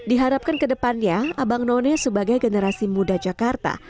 diharapkan kedepannya abangnone sebagai generasi muda jakarta